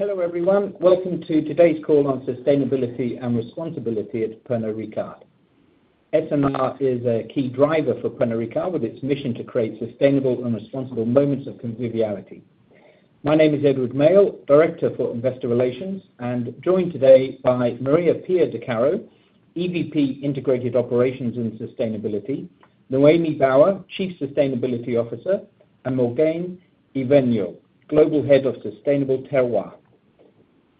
Hello, everyone. Welcome to today's call on sustainability and responsibility at Pernod Ricard. S&R is a key driver for Pernod Ricard, with its mission to create sustainable and responsible moments of conviviality. My name is Edward Mayle, Director for Investor Relations, and joined today by Maria Pia De Caro, EVP Integrated Operations and Sustainability, Noémie Bauer, Chief Sustainability Officer, and Morgane Yvergniaux, Global Head of Sustainable Terroir.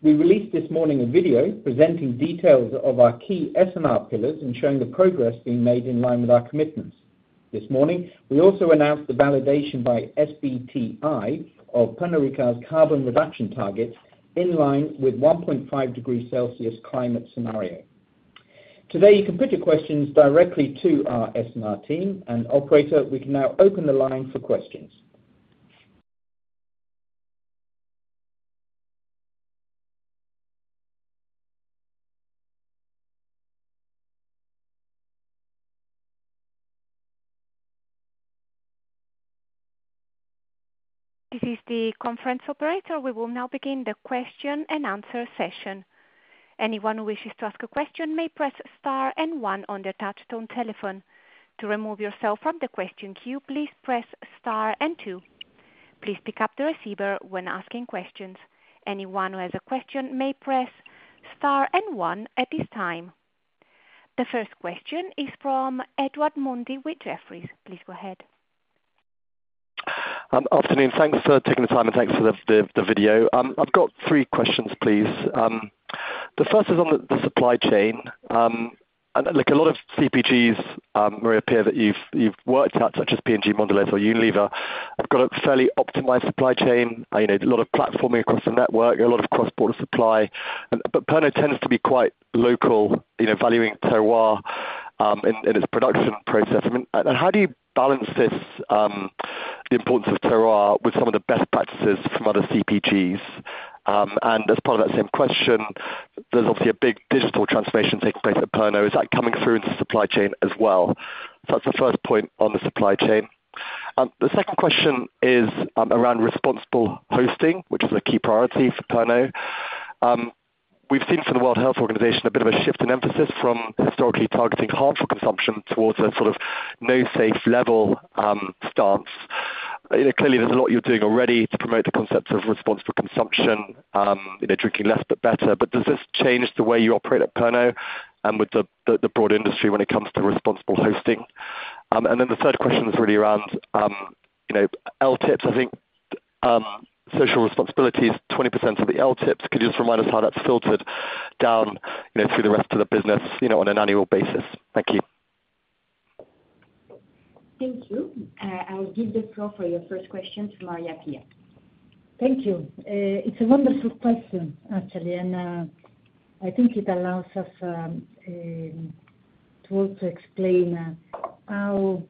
We released this morning a video presenting details of our key S&R pillars and showing the progress being made in line with our commitments. This morning, we also announced the validation by SBTi of Pernod Ricard's carbon reduction targets in line with 1.5 degrees Celsius climate scenario. Today, you can put your questions directly to our S&R team, and operator, we can now open the line for questions. This is the conference operator. We will now begin the question and answer session. Anyone who wishes to ask a question may press Star and One on their touchtone telephone. To remove yourself from the question queue, please press Star and Two. Please pick up the receiver when asking questions. Anyone who has a question may press Star and One at this time. The first question is from Edward Mundy with Jefferies. Please go ahead. Afternoon. Thanks for taking the time, and thanks for the video. I've got three questions, please. The first is on the supply chain. And like a lot of CPGs, Maria Pia, that you've worked at, such as P&G, Mondelez or Unilever, have got a fairly optimized supply chain, you know, a lot of platforming across the network, a lot of cross-border supply. But Pernod tends to be quite local, you know, valuing terroir in its production process. I mean, how do you balance this, the importance of terroir with some of the best practices from other CPGs? And as part of that same question, there's obviously a big digital transformation taking place at Pernod. Is that coming through in the supply chain as well? So that's the first point on the supply chain. The second question is around responsible hosting, which is a key priority for Pernod. We've seen from the World Health Organization a bit of a shift in emphasis from historically targeting harmful consumption towards a sort of no safe level stance. You know, clearly, there's a lot you're doing already to promote the concept of responsible consumption, you know, drinking less, but better. But does this change the way you operate at Pernod and with the broader industry when it comes to responsible hosting? And then the third question is really around, you know, LTIPS. I think social responsibility is 20% of the LTIPs. Could you just remind us how that's filtered down, you know, through the rest of the business, you know, on an annual basis? Thank you. Thank you. I will give the floor for your first question to Maria Pia. Thank you. It's a wonderful question, actually, and I think it allows us to also explain how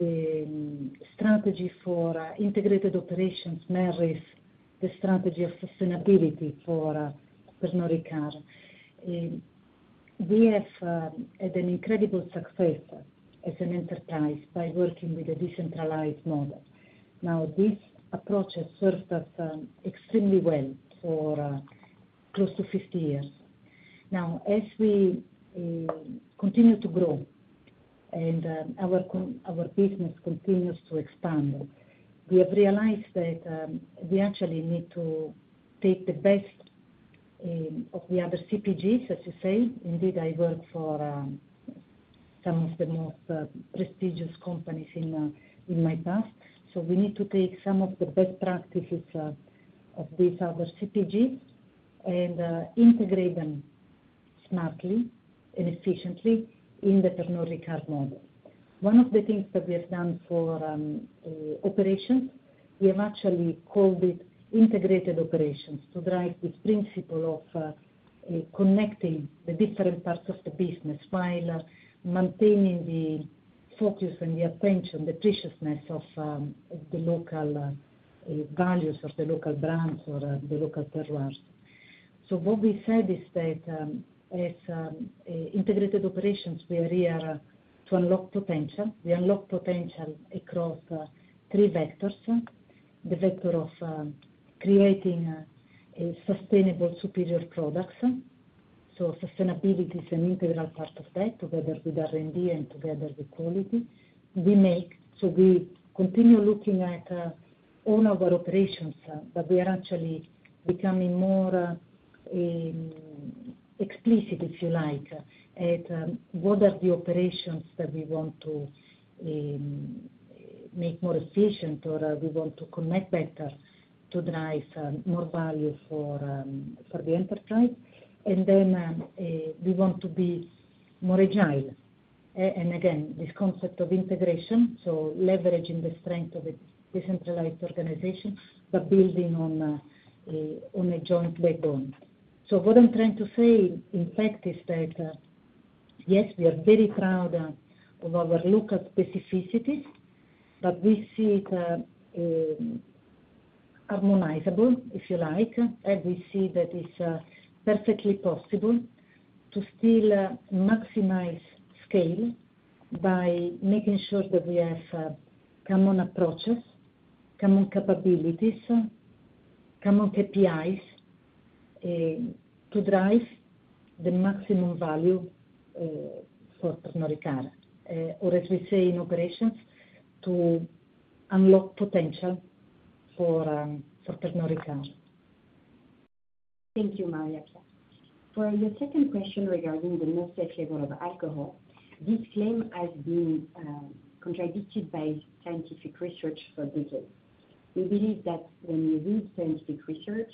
the strategy for integrated operations marries the strategy of sustainability for Pernod Ricard. We have had an incredible success as an enterprise by working with a decentralized model. Now, this approach has served us extremely well for close to 50 years. Now, as we continue to grow and our business continues to expand, we have realized that we actually need to take the best of the other CPGs, as you say. Indeed, I work for some of the most prestigious companies in my past. So we need to take some of the best practices of these other CPGs and integrate them smartly and efficiently in the Pernod Ricard model. One of the things that we have done for operations, we have actually called it integrated operations, to drive this principle of connecting the different parts of the business while maintaining the focus and the attention, the preciousness of the local values of the local brands or the local terroirs. So what we said is that, as integrated operations, we are here to unlock potential. We unlock potential across three vectors: the vector of creating a sustainable, superior products. So sustainability is an integral part of that, together with R&D and together with quality. So we continue looking at all of our operations, but we are actually becoming more explicit, if you like, at what are the operations that we want to make more efficient, or we want to connect better to drive more value for, for the enterprise. And then, we want to be more agile. And again, this concept of integration, so leveraging the strength of a decentralized organization, but building on a, on a joint backbone. So what I'm trying to say, in fact, is that yes, we are very proud of our local specificities, but we see it harmonizable, if you like, and we see that it's perfectly possible-... to still maximize scale by making sure that we have common approaches, common capabilities, common KPIs, to drive the maximum value for Pernod Ricard, or as we say in operations, to unlock potential for Pernod Ricard. Thank you, Mariapia. For your second question regarding the no safe level of alcohol, this claim has been contradicted by scientific research for decades. We believe that when you read scientific research,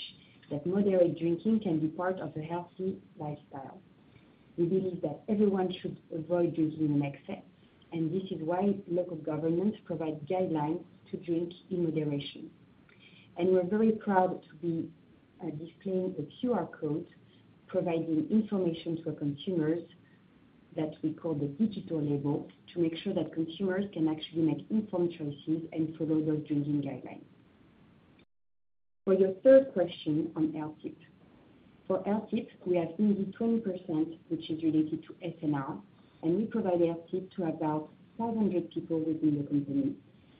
that moderate drinking can be part of a healthy lifestyle. We believe that everyone should avoid drinking in excess, and this is why local governments provide guidelines to drink in moderation. We are very proud to be displaying a QR code, providing information to our consumers that we call the digital label, to make sure that consumers can actually make informed choices and follow those drinking guidelines. For your third question on LTIP. For LTIP, we have only 20%, which is related to S&R, and we provide LTIP to about 400 people within the company.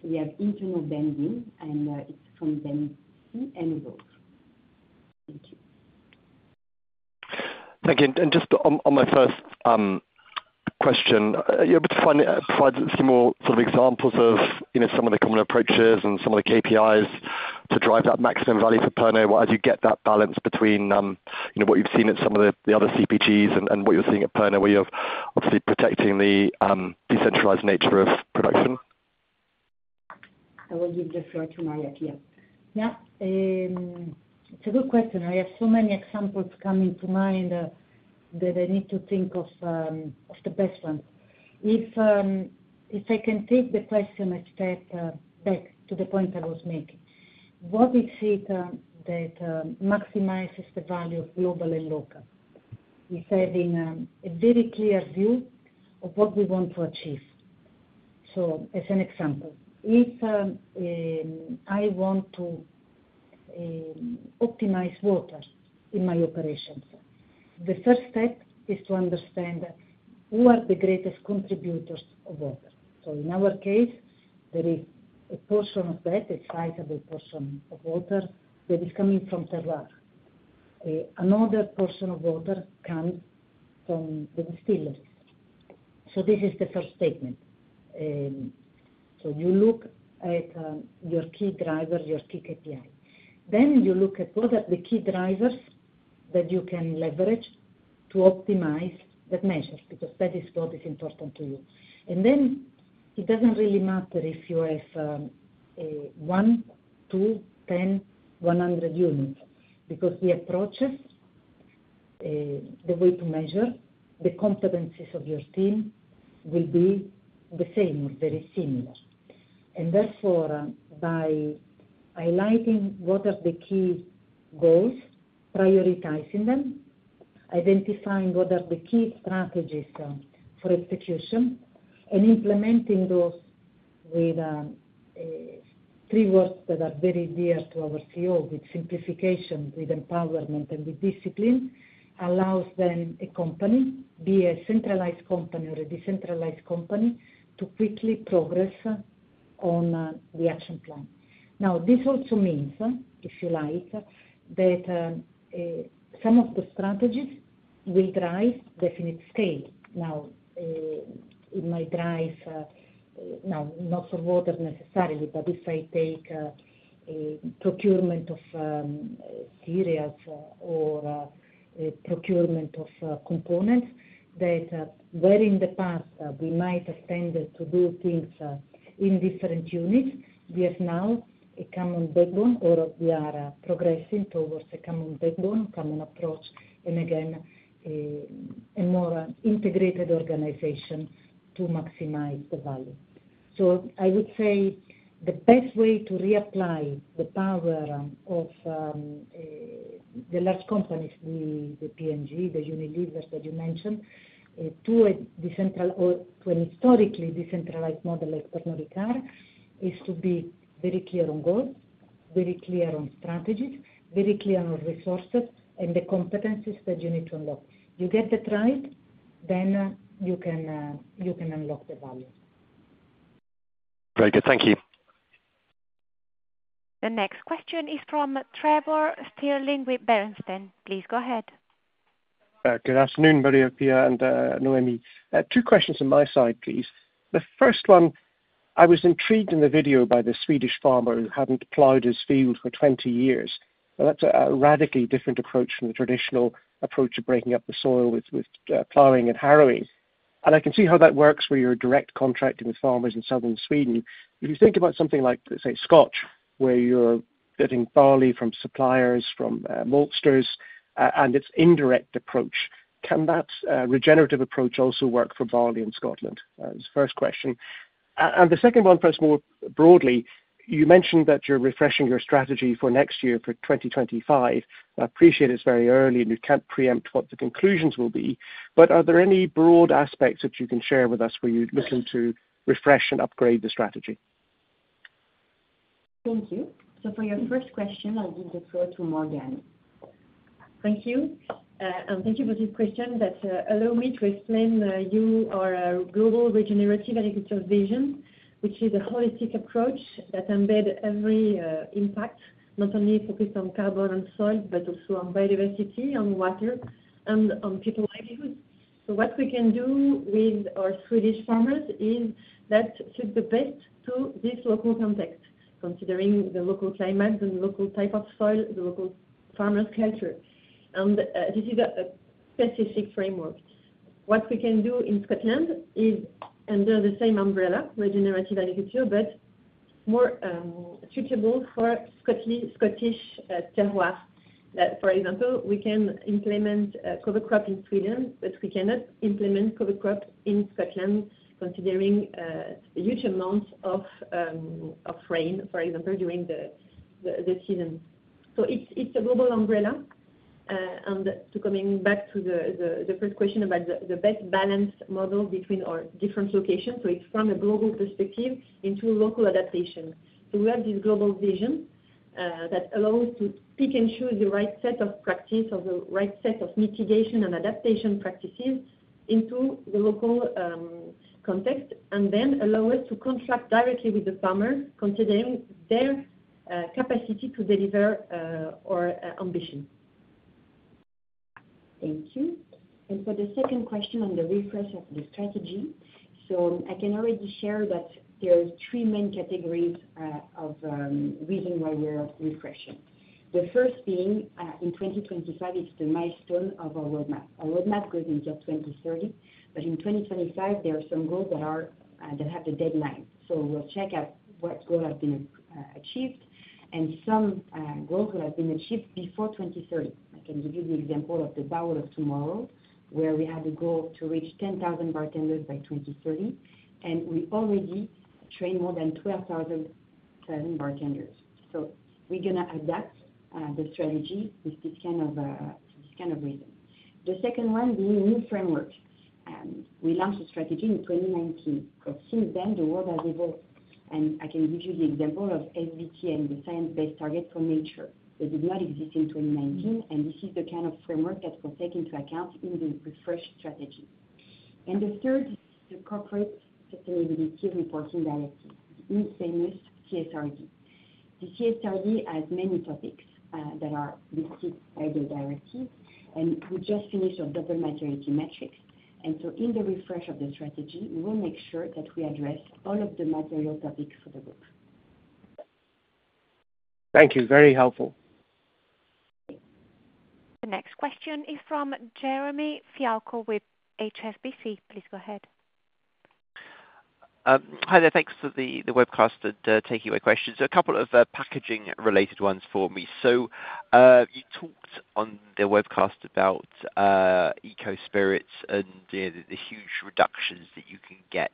We have internal banding, and it's from band C and above. Thank you. Thank you. Just on my first question, are you able to provide a few more sort of examples of, you know, some of the common approaches and some of the KPIs to drive that maximum value for Pernod, as you get that balance between, you know, what you've seen at some of the other CPGs and what you're seeing at Pernod, where you're obviously protecting the decentralized nature of production? I will give the floor to Maria Pia. Yeah, it's a good question. I have so many examples coming to mind, that I need to think of, of the best one. If, if I can take the question a step, back to the point I was making. What we see, that, maximizes the value of global and local is having, a very clear view of what we want to achieve. So as an example, if, I want to, optimize water in my operations, the first step is to understand who are the greatest contributors of water. So in our case, there is a portion of that, a sizable portion of water, that is coming from terroir. Another portion of water comes from the distilleries. So this is the first statement. So you look at, your key driver, your key KPI. Then you look at what are the key drivers that you can leverage to optimize that measure, because that is what is important to you. And then it doesn't really matter if you have 1, 2, 10, 100 units, because the approaches, the way to measure, the competencies of your team will be the same or very similar. And therefore, by highlighting what are the key goals, prioritizing them, identifying what are the key strategies for execution, and implementing those with 3 words that are very dear to our CEO, with simplification, with empowerment, and with discipline, allows then a company, be a centralized company or a decentralized company, to quickly progress on the action plan. Now, this also means, if you like, that some of the strategies will drive definite scale. Now, it might drive, now, not for water necessarily, but if I take, a procurement of, cereals or, a procurement of, components, that, where in the past, we might have tended to do things, in different units, we have now a common backbone, or we are progressing towards a common backbone, common approach, and again, a more integrated organization to maximize the value. So I would say the best way to reapply the power of, the large companies, the P&G, the Unilever that you mentioned, to a historically decentralized model like Pernod Ricard, is to be very clear on goals, very clear on strategies, very clear on resources, and the competencies that you need to unlock. You get that right, then, you can, you know, you can unlock the value. Very good. Thank you. The next question is from Trevor Stirling with Bernstein. Please go ahead. Good afternoon, Maria Pia and Noémie. Two questions on my side, please. The first one, I was intrigued in the video by the Swedish farmer who hadn't plowed his field for 20 years. Now, that's a radically different approach from the traditional approach of breaking up the soil with plowing and harrowing. And I can see how that works where you're direct contracting with farmers in southern Sweden. If you think about something like, say, scotch, where you're getting barley from suppliers, from maltsters, and its indirect approach, can that regenerative approach also work for barley in Scotland? That's the first question. And the second one, perhaps more broadly, you mentioned that you're refreshing your strategy for next year, for 2025. I appreciate it's very early, and you can't preempt what the conclusions will be, but are there any broad aspects that you can share with us where you're looking to refresh and upgrade the strategy?... Thank you. For your first question, I'll give the floor to Morgane. Thank you. And thank you for this question that allow me to explain you our global Regenerative Agriculture vision, which is a holistic approach that embed every impact, not only focused on carbon and soil, but also on biodiversity, on water, and on people livelihood. So what we can do with our Swedish farmers is that suit the best to this local context, considering the local climate, the local type of soil, the local farmers' culture. And this is a specific framework. What we can do in Scotland is under the same umbrella, Regenerative Agriculture, but more suitable for Scottish Terroir. For example, we can implement cover crop in Sweden, but we cannot implement cover crop in Scotland, considering the huge amounts of rain, for example, during the season. So it's a global umbrella. And coming back to the first question about the best balanced model between our different locations, so it's from a global perspective into local adaptation. So we have this global vision that allows to pick and choose the right set of practice or the right set of mitigation and adaptation practices into the local context, and then allow us to contract directly with the farmers, considering their capacity to deliver our ambition. Thank you. For the second question on the refresh of the strategy, so I can already share that there are three main categories of reason why we are refreshing. The first being in 2025, it's the milestone of our roadmap. Our roadmap goes until 2030, but in 2025, there are some goals that are that have the deadline. So we'll check out what goal have been achieved and some goal that have been achieved before 2030. I can give you the example of the Bar World of Tomorrow, where we had a goal to reach 10,000 bartenders by 2030, and we already trained more than 12,007 bartenders. So we're gonna adapt the strategy with this kind of this kind of reason. The second one, being new framework, and we launched the strategy in 2019. But since then, the world has evolved, and I can give you the example of SBT and the science-based target for nature. That did not exist in 2019, and this is the kind of framework that will take into account in the refresh strategy. And the third, the Corporate Sustainability Reporting Directive, the infamous CSRD. The CSRD has many topics that are listed by the directive, and we just finished our double materiality metrics. And so in the refresh of the strategy, we will make sure that we address all of the material topics for the group. Thank you. Very helpful. The next question is from Jeremy Fialko with HSBC. Please go ahead. Hi there. Thanks for the webcast and taking my questions. So a couple of packaging related ones for me. So you talked on the webcast about ecoSPIRITS and the huge reductions that you can get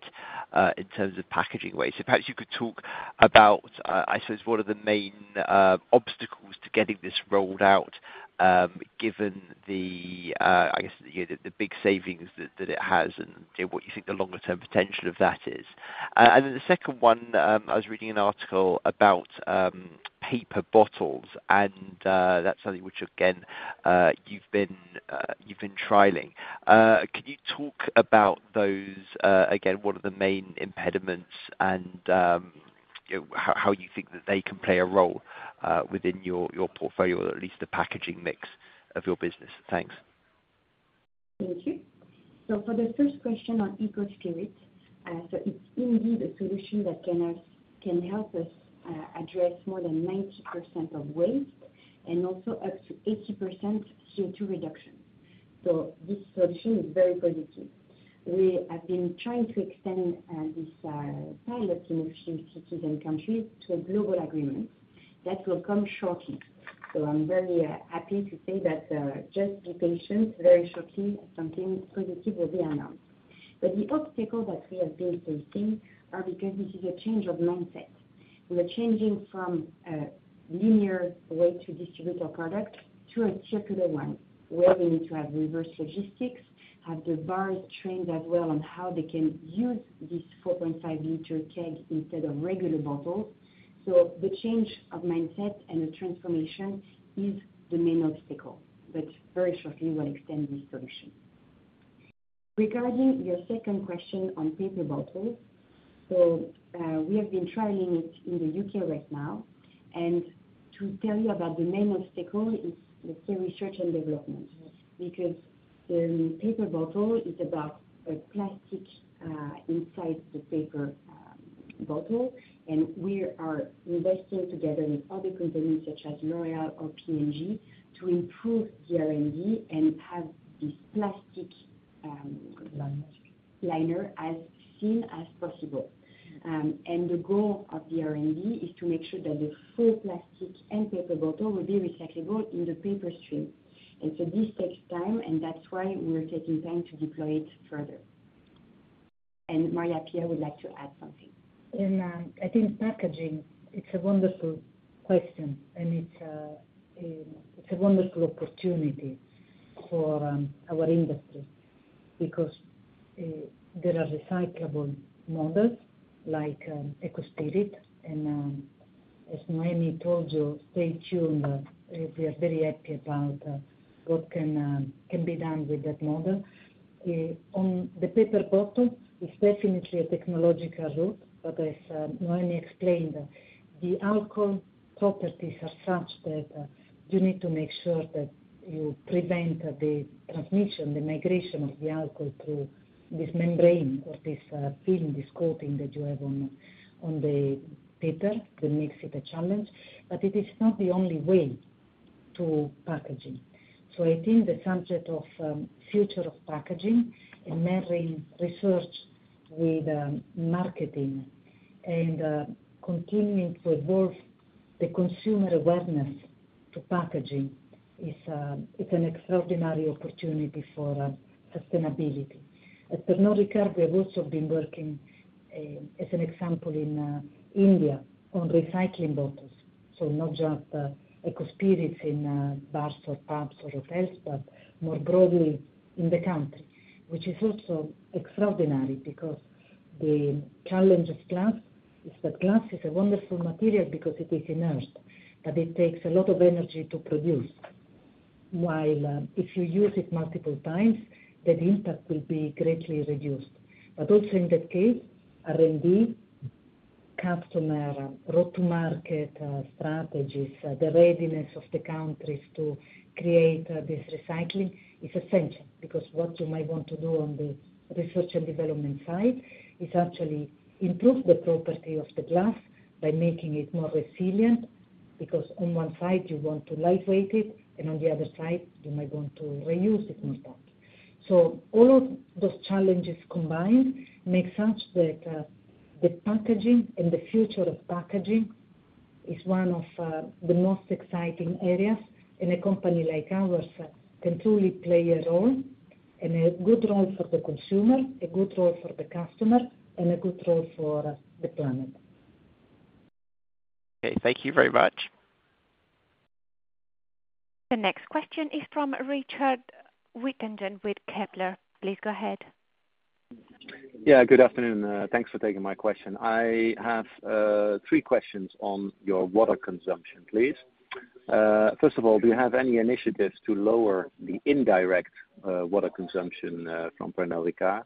in terms of packaging waste. So perhaps you could talk about, I suppose, what are the main obstacles to getting this rolled out, given the, I guess, the big savings that it has, and, you know, what you think the longer term potential of that is? And then the second one, I was reading an article about paper bottles, and that's something which again, you've been trialing. Can you talk about those again, what are the main impediments and, you know, how you think that they can play a role within your portfolio, or at least the packaging mix of your business? Thanks. Thank you. So for the first question on ecoSPIRITS, so it's indeed a solution that can help us address more than 90% of waste and also up to 80% CO2 reduction. So this solution is very positive. We have been trying to extend this pilot in a few cities and countries to a global agreement that will come shortly. So I'm very happy to say that just be patient, very shortly, something positive will be announced. But the obstacles that we have been facing are because this is a change of mindset. We are changing from a linear way to distribute our product to a circular one, where we need to have reverse logistics, have the bars trained as well on how they can use this 4.5-liter keg instead of regular bottles. So the change of mindset and the transformation is the main obstacle, but very shortly we'll extend this solution. Regarding your second question on paper bottles, so, we have been trialing it in the UK right now. And to tell you about the main obstacle is, it's the research and development. Because the paper bottle is about a plastic, inside the paper, bottle, and we are investing together with other companies such as L'Oréal or P&G, to improve the R&D and have this plastic, liner. - liner as thin as possible. And the goal of the R&D is to make sure that the full plastic and paper bottle will be recyclable in the paper stream. And so this takes time, and that's why we're taking time to deploy it further. And Maria Pia would like to add something. I think packaging. It's a wonderful question, and it's a wonderful opportunity for our industry.... because there are recyclable models like ecoSPIRITS. And as Noémie told you, stay tuned. We are very happy about what can be done with that model. On the paper bottle, it's definitely a technological route, but as Noémie explained, the alcohol properties are such that you need to make sure that you prevent the transmission, the migration of the alcohol through this membrane or this film, this coating that you have on the paper, that makes it a challenge. But it is not the only way to packaging. So I think the subject of future of packaging and marrying research with marketing and continuing to evolve the consumer awareness to packaging is it's an extraordinary opportunity for sustainability. At Pernod Ricard, we have also been working, as an example, in India, on recycling bottles. So not just ecoSPIRITS in bars or pubs or hotels, but more broadly in the country, which is also extraordinary because the challenge of glass is that glass is a wonderful material because it is inert, but it takes a lot of energy to produce. While, if you use it multiple times, that impact will be greatly reduced. But also in that case, R&D, customer, route to market, strategies, the readiness of the countries to create this recycling is essential. Because what you might want to do on the research and development side is actually improve the property of the glass by making it more resilient, because on one side, you want to lightweight it, and on the other side, you might want to reuse it more time. So all of those challenges combined make sense that the packaging and the future of packaging is one of the most exciting areas, and a company like ours can truly play a role and a good role for the consumer, a good role for the customer, and a good role for the planet. Okay, thank you very much. The next question is from Richard Withagen with Kepler. Please go ahead. Yeah, good afternoon. Thanks for taking my question. I have three questions on your water consumption, please. First of all, do you have any initiatives to lower the indirect water consumption from Pernod Ricard?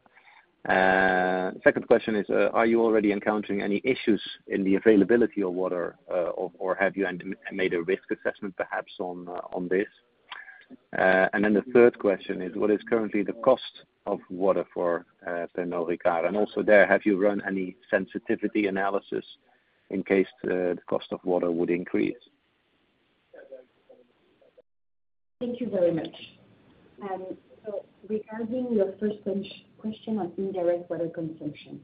Second question is, are you already encountering any issues in the availability of water, or have you made a risk assessment, perhaps on this? And then the third question is, what is currently the cost of water for Pernod Ricard? And also there, have you run any sensitivity analysis in case the cost of water would increase? Thank you very much. So regarding your first question on indirect water consumption.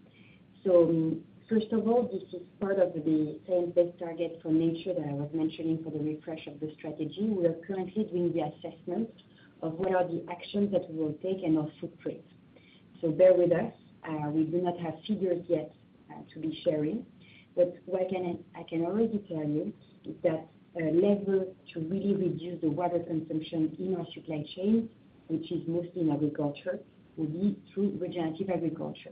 First of all, this is part of the science-based target for nature that I was mentioning for the refresh of the strategy. We are currently doing the assessment of what are the actions that we will take and our footprint. Bear with us. We do not have figures yet to be sharing, but what I can already tell you is that a lever to really reduce the water consumption in our supply chain, which is mostly in agriculture, will be through regenerative agriculture.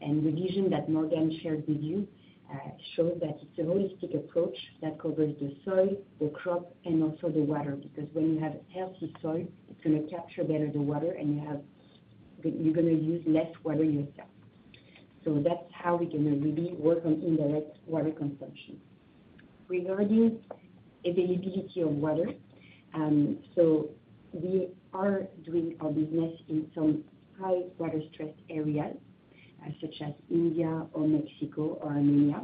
And the vision that Morgane shared with you shows that it's a holistic approach that covers the soil, the crop, and also the water, because when you have healthy soil, it's gonna capture better the water, and you have... You're gonna use less water yourself. So that's how we're gonna really work on indirect water consumption. Regarding availability of water, we are doing our business in some high water-stressed areas, such as India or Mexico or Armenia,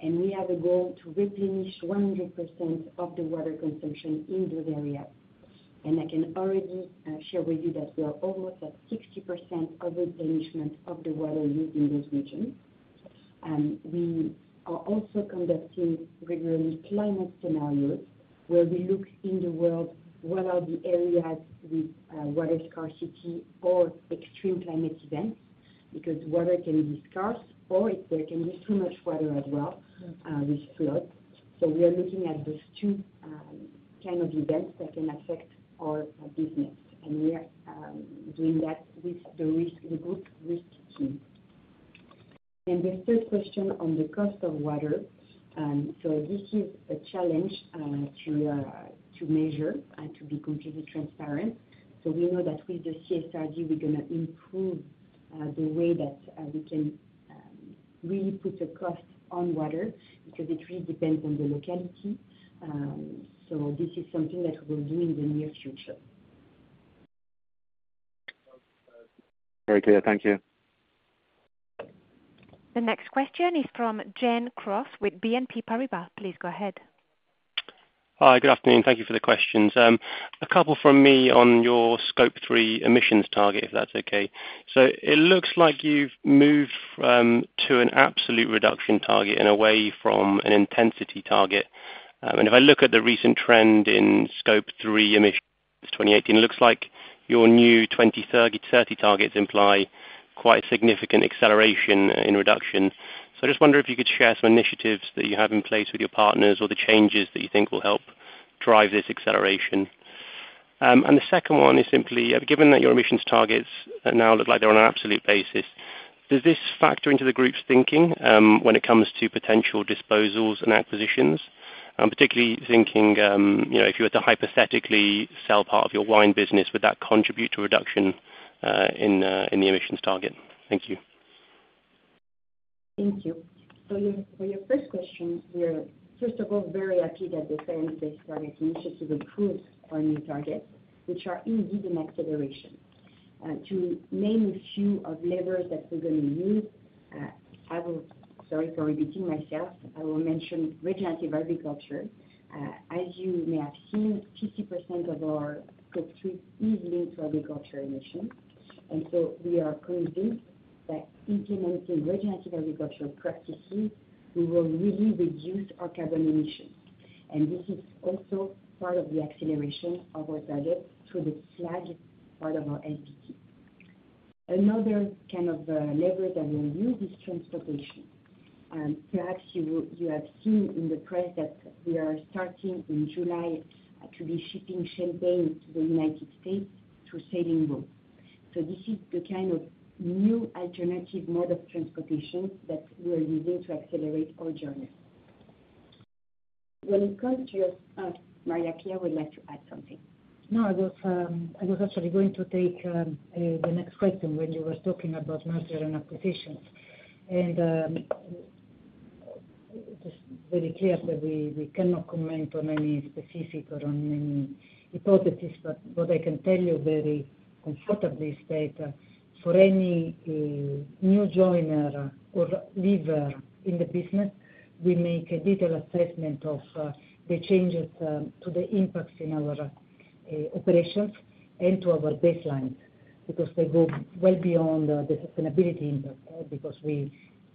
and we have a goal to replenish 100% of the water consumption in those areas. I can already share with you that we are almost at 60% of the replenishment of the water used in those regions. We are also conducting regularly climate scenarios, where we look in the world, what are the areas with water scarcity or extreme climate events, because water can be scarce or it, there can be too much water as well, with flood. We are looking at those two kind of events that can affect our business, and we are doing that with the risk, the group risk team. The third question on the cost of water, this is a challenge to measure and to be completely transparent. We know that with the CSRD, we're gonna improve the way that we can really put a cost on water, because it really depends on the locality. This is something that we'll do in the near future. Very clear. Thank you. The next question is from Jen Cross with BNP Paribas. Please go ahead. Hi, good afternoon. Thank you for the questions. A couple from me on your Scope 3 emissions target, if that's okay. So it looks like you've moved, to an absolute reduction target and away from an intensity target. And if I look at the recent trend in Scope 3 emissions 2018, it looks like your new 2023-30 targets imply quite significant acceleration in reduction. So I just wonder if you could share some initiatives that you have in place with your partners or the changes that you think will help drive this acceleration? And the second one is simply, given that your emissions targets now look like they're on an absolute basis, does this factor into the group's thinking, when it comes to potential disposals and acquisitions? I'm particularly thinking, you know, if you were to hypothetically sell part of your wine business, would that contribute to a reduction in the emissions target? Thank you. Thank you. For your first question, we are first of all very happy that the Science Based Targets Initiative approved our new targets, which are indeed an acceleration. To name a few of levers that we're gonna use, sorry for repeating myself, I will mention regenerative agriculture. As you may have seen, 50% of our Scope 3 is linked to agriculture emission, and so we are convinced that implementing regenerative agricultural practices, we will really reduce our carbon emissions. And this is also part of the acceleration of our target through the FLAG part of our SBT. Another kind of lever that we'll use is transportation. Perhaps you have seen in the press that we are starting in July to be shipping champagne to the United States through sailing boat. This is the kind of new alternative mode of transportation that we are using to accelerate our journey. When it comes to your, Maria Pia would like to add something. No, I was, I was actually going to take the next question when you were talking about merger and acquisitions. And just very clear that we, we cannot comment on any specific or on any hypotheses. But what I can tell you very comfortably straight for any new joiner or leaver in the business, we make a detailed assessment of the changes to the impacts in our operations and to our baselines, because they go well beyond the sustainability impact. Because we,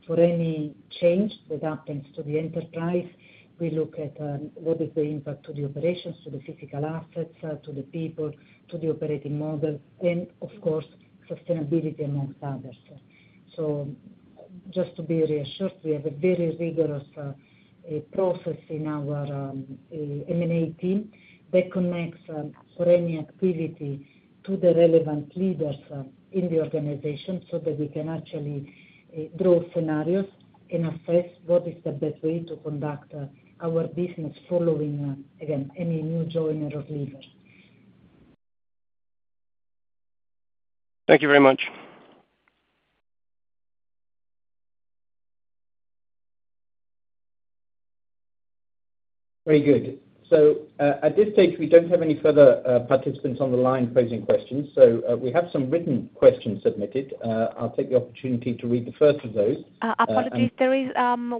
for any change that happens to the enterprise, we look at what is the impact to the operations, to the physical assets, to the people, to the operating model, and of course, sustainability among others. So just to be reassured, we have a very rigorous process in our M&A team that connects for any activity to the relevant leaders in the organization, so that we can actually draw scenarios and assess what is the best way to conduct our business following again any new joiner or leaver. Thank you very much. Very good. So, at this stage, we don't have any further participants on the line posing questions. So, we have some written questions submitted. I'll take the opportunity to read the first of those. Apologies. There is,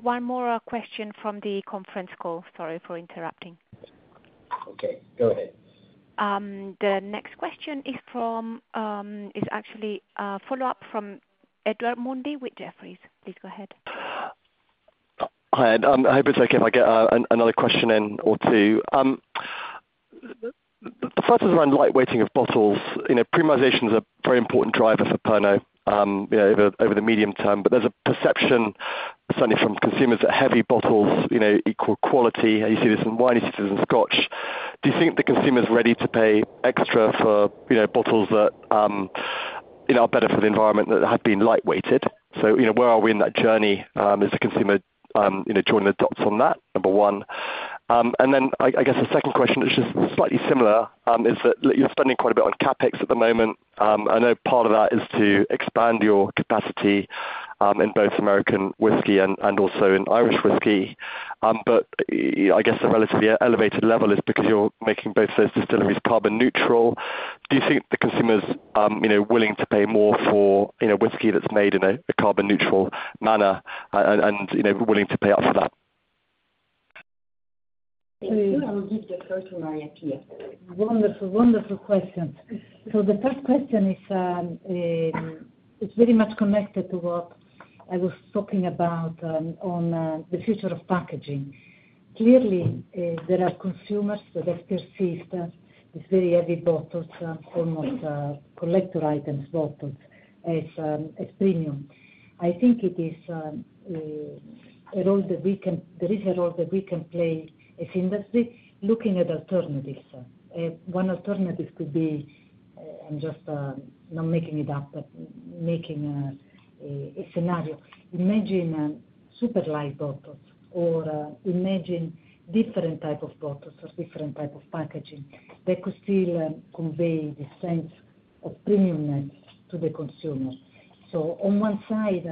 one more question from the conference call. Sorry for interrupting. Okay, go ahead. The next question is actually a follow-up from Edward Mundy with Jefferies. Please go ahead. Hi, Ed, I hope it's okay if I get another question in or two. The first is around light weighting of bottles. You know, premiumization is a very important driver for Pernod, you know, over the medium term. But there's a perception, certainly from consumers, that heavy bottles, you know, equal quality. You see this in wine, you see this in scotch. Do you think the consumer's ready to pay extra for, you know, bottles that, you know, are better for the environment, that have been light weighted? So, you know, where are we in that journey, as a consumer, you know, joining the dots on that? Number one. And then I, I guess the second question, which is slightly similar, is that you're spending quite a bit on CapEx at the moment. I know part of that is to expand your capacity in both American whiskey and also in Irish whiskey. But I guess the relatively elevated level is because you're making both those distilleries carbon neutral. Do you think the consumers you know willing to pay more for you know whiskey that's made in a carbon neutral manner and you know willing to pay up for that? Thank you. I will give the floor to Maria Pia. Wonderful, wonderful question. So the first question is, it's very much connected to what I was talking about, on the future of packaging. Clearly, there are consumers that have perceived these very heavy bottles, almost, collector items bottles, as, as premium. I think it is, a role that we can... There is a role that we can play as industry, looking at alternatives. One alternative could be, I'm just, not making it up, but making a scenario. Imagine, super light bottles or, imagine different type of bottles or different type of packaging that could still, convey the sense of premiumness to the consumer. So on one side,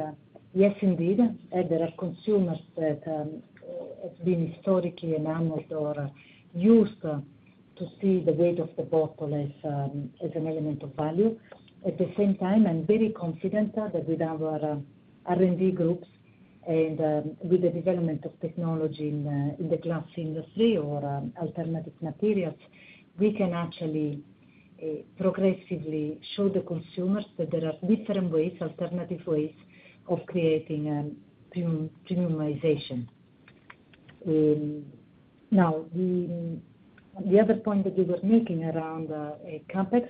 yes, indeed, there are consumers that have been historically enamored or used to see the weight of the bottle as an element of value. At the same time, I'm very confident that with our R&D groups and with the development of technology in the glass industry or alternative materials, we can actually progressively show the consumers that there are different ways, alternative ways of creating premium, premiumization. Now, the other point that you were making around a CapEx,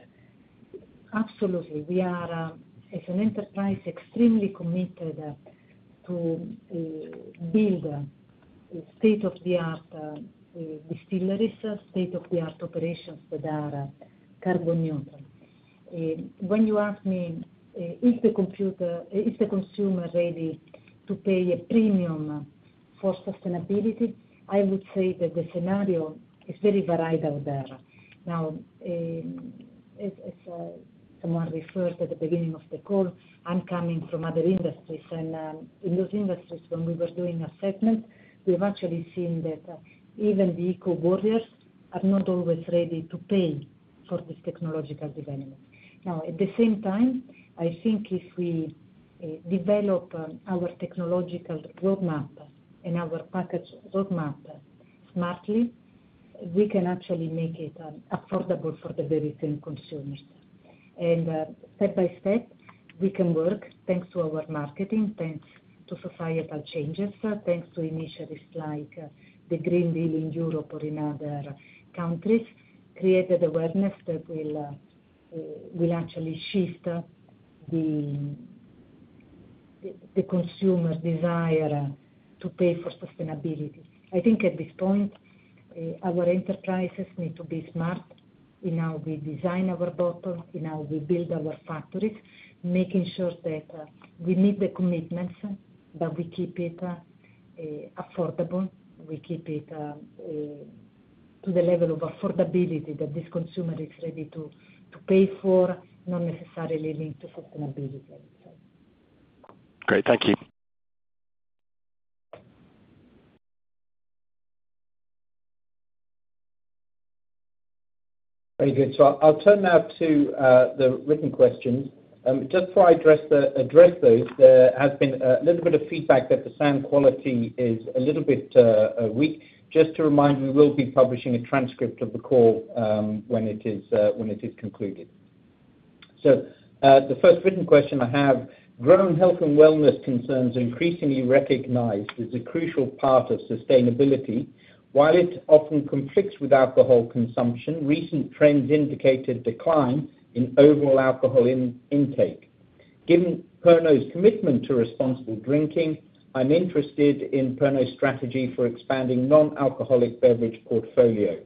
absolutely. We are, as an enterprise, extremely committed to build state-of-the-art distilleries, state-of-the-art operations that are carbon neutral. When you ask me, is the consumer ready to pay a premium for sustainability, I would say that the scenario is very varied out there. Now, as someone referred at the beginning of the call, I'm coming from other industries, and in those industries, when we were doing assessment, we have actually seen that even the eco warriors are not always ready to pay for this technological development. Now, at the same time, I think if we develop our technological roadmap and our package roadmap smartly, we can actually make it affordable for the very same consumers. Step by step, we can work, thanks to our marketing, thanks to societal changes, thanks to initiatives like the Green Deal in Europe or in other countries, create awareness that will actually shift the consumer desire to pay for sustainability. I think at this point, our enterprises need to be smart in how we design our bottle, in how we build our factories, making sure that we meet the commitments, but we keep it affordable. We keep it to the level of affordability that this consumer is ready to pay for, not necessarily linked to sustainability. Great. Thank you. Very good. So I'll turn now to the written questions. Just before I address those, there has been a little bit of feedback that the sound quality is a little bit weak. Just to remind, we will be publishing a transcript of the call when it is concluded. So, the first written question I have: Growing health and wellness concerns are increasingly recognized as a crucial part of sustainability. While it often conflicts with alcohol consumption, recent trends indicate a decline in overall alcohol intake. Given Pernod's commitment to responsible drinking, I'm interested in Pernod's strategy for expanding non-alcoholic beverage portfolio.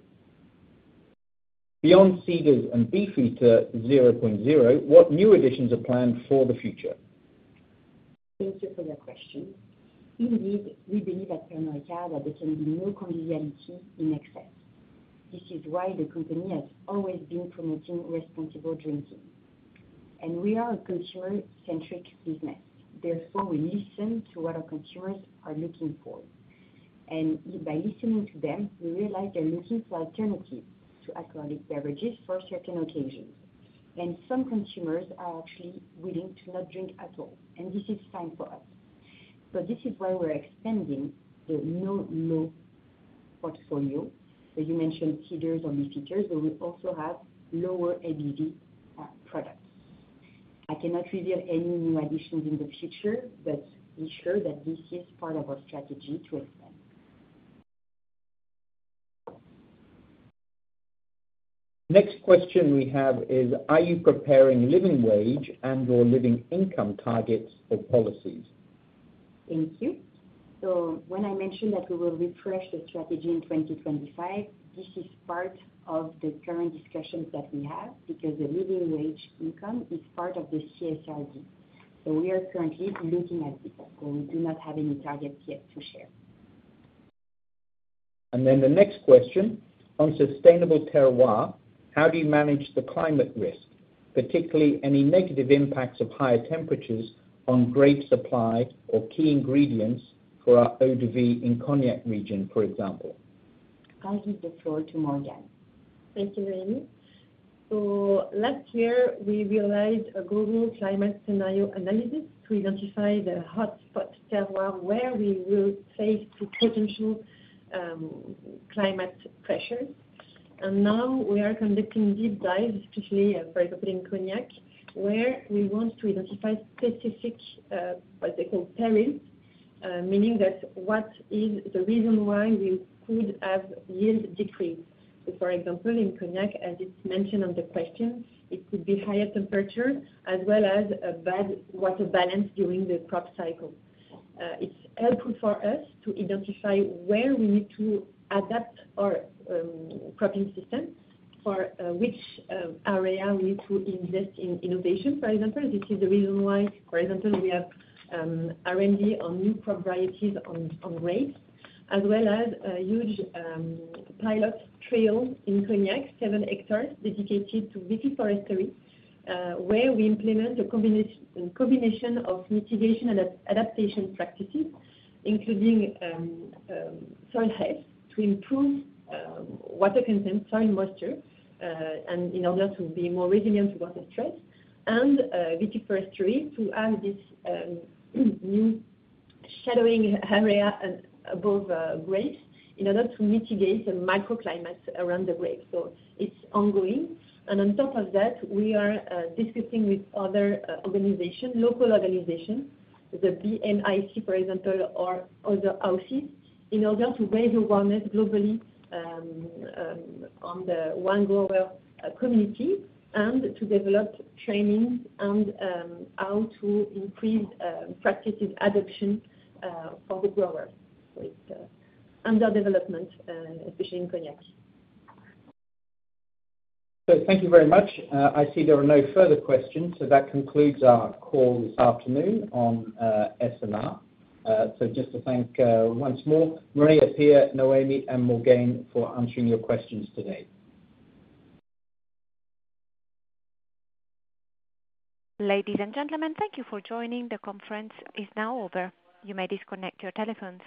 Beyond Ceder's and Beefeater 0.0, what new additions are planned for the future? Thank you for that question. Indeed, we believe at Pernod Ricard that there can be no conviviality in excess. This is why the company has always been promoting responsible drinking. We are a consumer-centric business, therefore, we listen to what our consumers are looking for. By listening to them, we realize they're looking for alternatives to alcoholic beverages for certain occasions. Some consumers are actually willing to not drink at all, and this is fine for us. This is why we're expanding the no low portfolio. As you mentioned, Ceder's or Beefeater, but we also have lower ABV products. I cannot reveal any new additions in the future, but be sure that this is part of our strategy to expand. Next question we have is: are you preparing living wage and/or living income targets or policies? Thank you. When I mentioned that we will refresh the strategy in 2025, this is part of the current discussions that we have, because the living wage income is part of the CSRD. We are currently looking at this, but we do not have any targets yet to share. And then the next question: on sustainable terroir, how do you manage the climate risk, particularly any negative impacts of higher temperatures on grape supply or key ingredients for our eau de vie in Cognac region, for example? I'll give the floor to Morgane. Thank you, Noémie. So last year, we realized a global climate scenario analysis to identify the hotspot terroir where we will face the potential, climate pressures. And now we are conducting deep dives, particularly, for example, in Cognac, where we want to identify specific, what they call perils, meaning that what is the reason why we could have yield decrease? So for example, in Cognac, as it's mentioned on the question, it could be higher temperature as well as a bad water balance during the crop cycle. It's helpful for us to identify where we need to adapt our, cropping system, for, which, area we need to invest in innovation, for example. This is the reason why, for example, we have R&D on new varieties on grapes, as well as a huge pilot trial in Cognac, seven hectares dedicated to vitiforestry, where we implement a combination of mitigation and adaptation practices, including soil health, to improve water content, soil moisture, and in order to be more resilient to water stress, and vitiforestry to add this new shading area above grapes in order to mitigate the microclimates around the grapes. So it's ongoing. And on top of that, we are discussing with other organization, local organization, the BNIC, for example, or other houses, in order to raise awareness globally on the wine grower community, and to develop trainings on how to increase practices adoption for the growers. So it's under development, especially in Cognac. So thank you very much. I see there are no further questions, so that concludes our call this afternoon on S&R. So just to thank once more, Maria Pia, Noémie, and Morgane for answering your questions today. Ladies and gentlemen, thank you for joining. The conference is now over. You may disconnect your telephones.